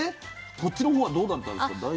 そっちの方はどうだったんですか？